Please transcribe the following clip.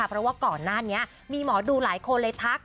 มาตรงหน้างี้มีหมอดูหลายคนเลยทัก